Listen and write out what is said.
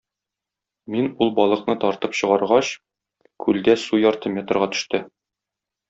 Мин ул балыкны тартып чыгаргач, күлдә су ярты метрга төште!